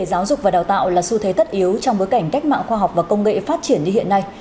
giáo dục và đào tạo là xu thế tất yếu trong bối cảnh cách mạng khoa học và công nghệ phát triển như hiện nay